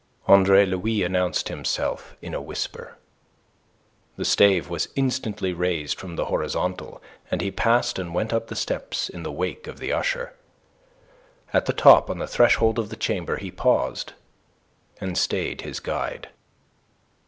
Andre Louis announced himself in a whisper. The stave was instantly raised from the horizontal, and he passed and went up the steps in the wake of the usher. At the top, on the threshold of the chamber, he paused, and stayed his guide.